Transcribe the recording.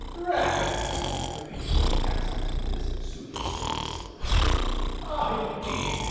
"Dragons!" repeated Mr. Cassilis, with his supercilious smile, "ah, indeed!